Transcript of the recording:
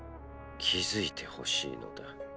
気付いてほしいのだ。